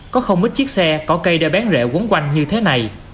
có không ít chiếc xe có cây đeo bén rệ quấn quanh như thế này